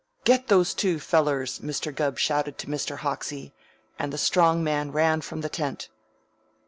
"Get those two fellers," Mr. Gubb shouted to Mr. Hoxie, and the strong man ran from the tent.